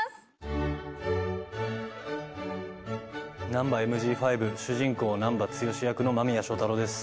『ナンバＭＧ５』主人公難破剛役の間宮祥太朗です。